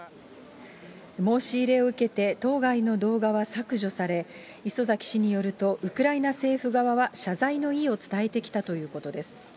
申し入れを受けて、当該の動画は削除され、磯崎氏によると、ウクライナ政府側は謝罪の意を伝えてきたということです。